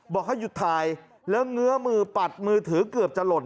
บอกให้หยุดถ่ายแล้วเงื้อมือปัดมือถือเกือบจะหล่น